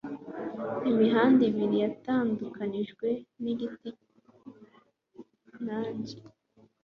Imihanda ibiri yatandukanijwe mu giti nanjye